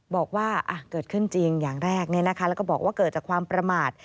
บอกว่าเกิดขึ้นจริงอย่างแรกแล้วก็บอกว่าเกิดจากความประมาท